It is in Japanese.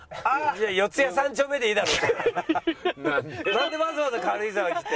なんでわざわざ軽井沢来て。